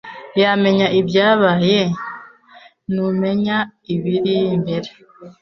Wamenya ibyabayeho Ntumenya ibirimbere